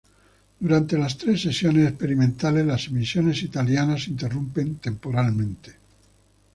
Durante las tres sesiones experimentales, las emisiones italianas se interrumpen temporalmente.